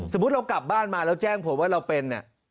สมมุติเรากลับบ้านมาแล้วแจ้งผมว่าเราเป็นเนี่ย